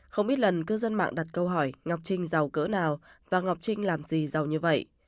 không ít lần cư dân mạng đặt câu hỏi ngọc trinh giàu cỡ nào và ngọc trinh làm gì giàu như vậy